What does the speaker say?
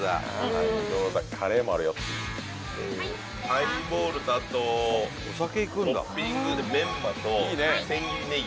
・ハイボールとあとトッピングでメンマと千切りねぎ。